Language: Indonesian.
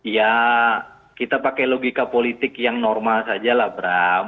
ya kita pakai logika politik yang normal saja lah bram